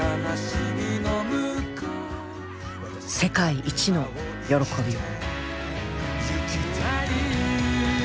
世界一の喜びを。